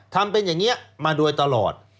ทำเป็นอย่างนี้มาโดยตลอด